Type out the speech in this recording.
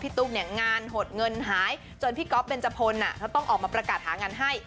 ตุ๊กเนี่ยงานหดเงินหายจนพี่ก๊อฟเบนจพลเขาต้องออกมาประกาศหางานให้